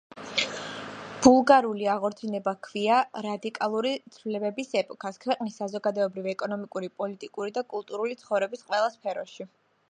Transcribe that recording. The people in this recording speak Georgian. ბულგარული აღორძინება ჰქვია რადიკალური ცვლილებების ეპოქას ქვეყნის საზოგადოებრივ-ეკონომიკური, პოლიტიკური და კულტურული ცხოვრების ყველა სფეროში.